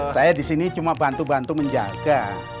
saya disini cuma bantu bantu menjaga